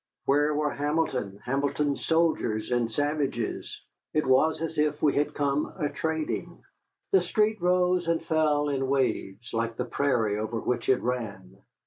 Where were Hamilton, Hamilton's soldiers and savages? It was as if we had come a trading. The street rose and fell in waves, like the prairie over which it ran.